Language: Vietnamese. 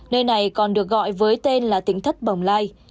nơi này còn được gọi với tên là tỉnh thất bồng lai